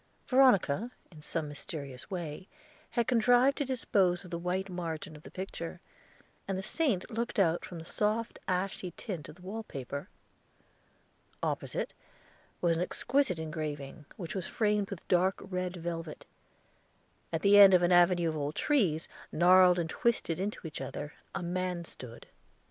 Veronica, in some mysterious way, had contrived to dispose of the white margin of the picture, and the saint looked out from the soft ashy tint of the wallpaper. Opposite was an exquisite engraving, which was framed with dark red velvet. At the end of an avenue of old trees, gnarled and twisted into each other, a man stood.